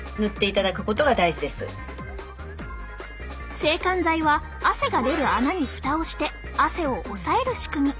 制汗剤は汗が出る穴に蓋をして汗を抑える仕組み。